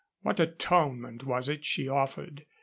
What atonement was it she offered?